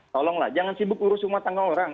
tolonglah jangan sibuk urus rumah tangga orang